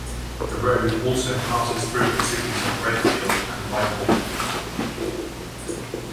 The road also passes through the cities of Redfield and White Hall.